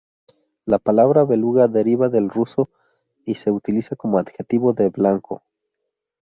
La palabra beluga deriva del ruso y se utiliza como adjetivo de blanco.